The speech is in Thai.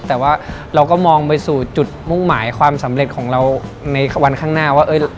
แต่ว่าเราก็มองไปสู่จุดมุ่งหมายความสำเร็จของเราในวันข้างหน้าว่า